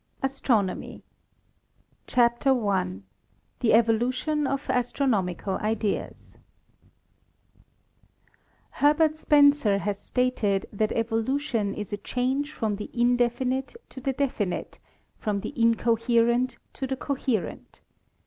ASTRONOMY CHAPTER I THE EVOLUTION OF ASTRONOMICAL IDEAS Herbert Spencer has stated that evolution is a change from the indefinite to the definite, from the incoherent to the coherent.